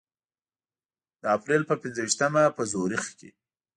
د اپریل په پنځه ویشتمه په زوریخ کې.